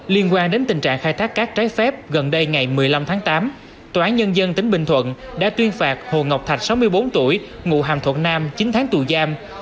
liên quan đến tình trạng khai thác cát trái phép gần đây ngày một mươi năm tháng tám tòa án nhân dân tỉnh bình thuận đã tuyên phạt hồ ngọc thạch sáu mươi bốn tuổi ngụ hàm thuận nam chín tháng tù giam